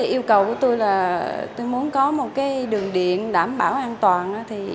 yêu cầu của tôi là tôi muốn có một đường điện đảm bảo an toàn